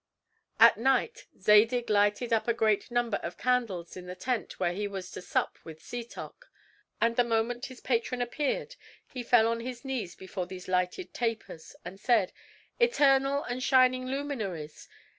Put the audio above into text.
At night Zadig lighted up a great number of candles in the tent where he was to sup with Setoc; and the moment his patron appeared, he fell on his knees before these lighted tapers, and said, "Eternal and shining luminaries!